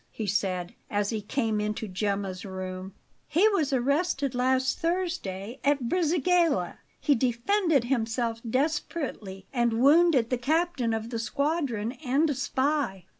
he said, as he came into Gemma's room. "He was arrested last Thursday, at Brisighella. He defended himself desperately and wounded the captain of the squadron and a spy."